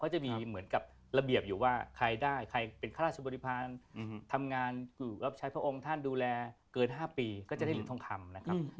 จะมีเหมือนกับระเบียบอยู่ว่าใครได้ใครเป็นข้าราชบริพาณทำงานอยู่รับใช้พระองค์ท่านดูแลเกิน๕ปีก็จะได้เหรียญทองคำนะครับ